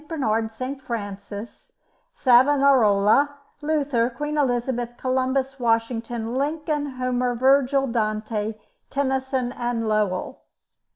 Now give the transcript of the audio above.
Bernard, St. Francis, Savonarola, Luther, Queen Elizabeth, Columbus, Washington, Lincoln, Homer, Virgil, Dante, Tennyson, and Lowell.